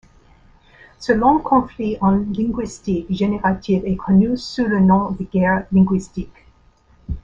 Ce long conflit en linguistique générative est connu sous le nom de guerres linguistiques.